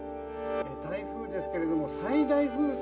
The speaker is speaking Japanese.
台風ですけれども最大風速。